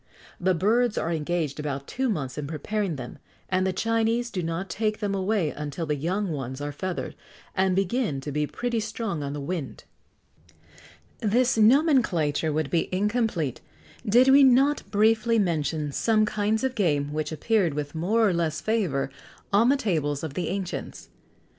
The birds are engaged about two months in preparing them, and the Chinese do not take them away until the young ones are feathered, and begin to be pretty strong on the wing.[XX 104] This nomenclature would be incomplete, did we not briefly mention some kinds of game which appeared with more or less favour on the tables of the ancients.